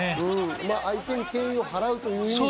相手に敬意を払うという意味で。